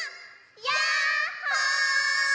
やっほー！